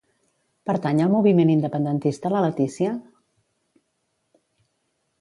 Pertany al moviment independentista la Leticia?